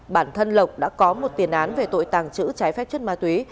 bản thân lộc đã có một tiền án về tội tàng trữ trái phép chất ma túy